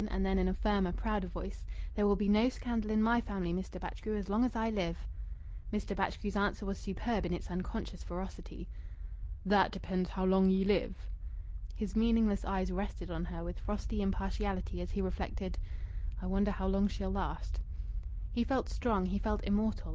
And then, in a firmer, prouder voice: "There will be no scandal in my family, Mr. Batchgrew, as long as I live." Mr. Batchgrew's answer was superb in its unconscious ferocity "That depends how long ye live." His meaningless eyes rested on her with frosty impartiality, as he reflected "I wonder how long she'll last." He felt strong; he felt immortal.